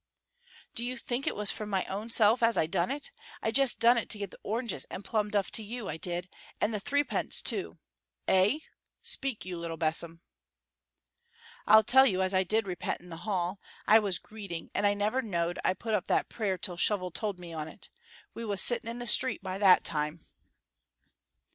"Do you think it was for my own self as I done it? I jest done it to get the oranges and plum duff to you, I did, and the threepence too. Eh? Speak, you little besom. "I tell you as I did repent in the hall. I was greeting, and I never knowed I put up that prayer till Shovel told me on it. We was sitting in the street by that time."